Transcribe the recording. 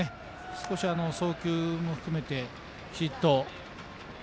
少し、送球も含めてきちっと。